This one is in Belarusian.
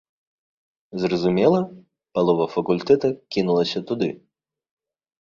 Зразумела, палова факультэта кінулася туды.